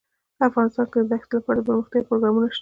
افغانستان کې د دښتې لپاره دپرمختیا پروګرامونه شته.